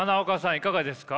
いかがですか？